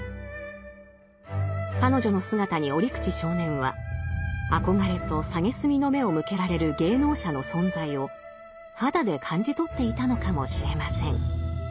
彼女の姿に折口少年は憧れと蔑みの目を向けられる芸能者の存在を肌で感じ取っていたのかもしれません。